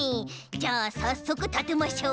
じゃあさっそくたてましょう。